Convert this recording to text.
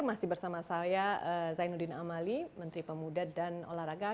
masih bersama saya zainuddin amali menteri pemuda dan olahraga